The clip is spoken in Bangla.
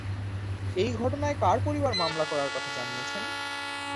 এ ঘটনায় কার পরিবার মামলা করার কথা জানিয়েছেন?